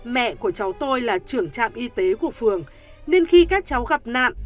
mẹ của cháu tôi là trưởng trạm y tế của phường nên khi các cháu gặp nạn